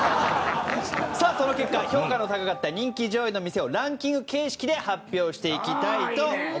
さあその結果評価の高かった人気上位の店をランキング形式で発表していきたいと思います。